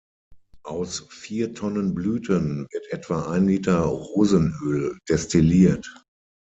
Aus vier Tonnen Blüten wird etwa ein Liter Rosenöl destilliert.